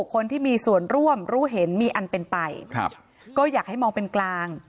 คนที่มีส่วนร่วมรู้เห็นมีอันเป็นไปก็อยากให้มองเป็นกลาง